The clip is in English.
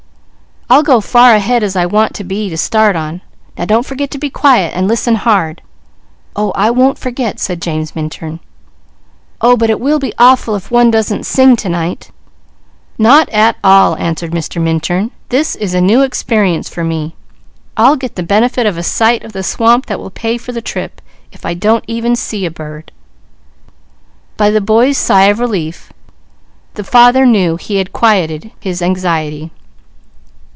I'll go far ahead as I want to be, to start on. Now don't forget to be quiet, and listen hard!" "I won't forget!" said James Minturn. "Oh but it will be awful if one doesn't sing to night!" "Not at all!" answered Mr. Minturn. "This is a new experience for me; I'll get the benefit of a sight of the swamp that will pay for the trip, if I don't even see a bird." By the boy's sigh of relief the father knew he had quieted his anxiety.